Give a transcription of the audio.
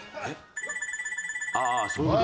「ああそういう事？」